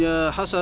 iya pak ustadz